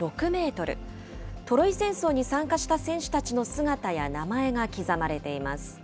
トロイ戦争に参加した戦士たちの姿や名前が刻まれています。